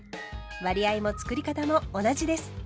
割合もつくり方も同じです。